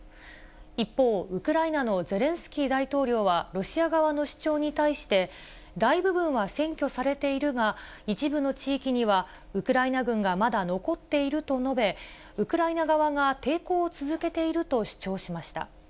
一方、ウクライナのゼレンスキー大統領は、ロシア側の主張に対して、大部分は占拠されているが、一部の地域にはウクライナ軍がまだ残っていると述べ、ウクライナ側が抵抗を続けていると主張しました。